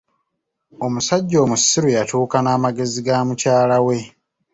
Omusajja omusiru yatuuka n'amagezi ga mukyala we.